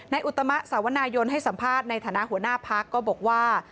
อุตมะสาวนายนให้สัมภาษณ์ในฐานะหัวหน้าพักก็บอกว่า